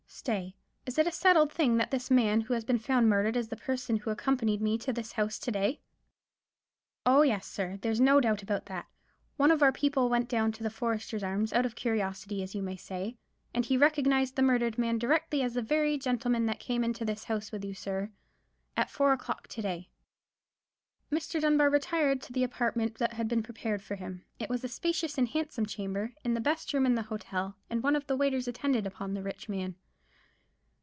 Stay. Is it a settled thing that this man who has been found murdered is the person who accompanied me to this house to day?" "Oh, yes, sir; there's no doubt about that. One of our people went down to the Foresters' Arms, out of curiosity, as you may say, and he recognized the murdered man directly as the very gentleman that came into this house with you, sir, at four o'clock to day." Mr. Dunbar retired to the apartment that had been prepared for him. It was a spacious and handsome chamber, the best room in the hotel; and one of the waiters attended upon the rich man.